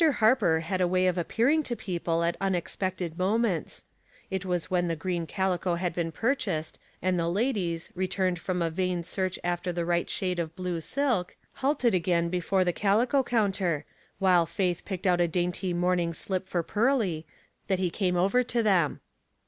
Harper had a way of appearing to people at unexpected moments. It was when the green calico had been purchased, and the ladies, returned from a vain search after the right shade of blue silk, halted again before the calico counter, while Faith picked out a dainty Real or Imitation? 249 jjorning slip for Pearly, that he came over to them.